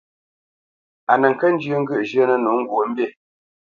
A nə kə́ njyə́ ŋgyə̂ʼ zhyə́nə̄ nǒ ŋgwǒʼmbî.